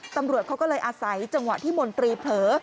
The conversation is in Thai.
ตำรวจเขาก็เลยอาศัยจังหวะที่มนตรีเผลอ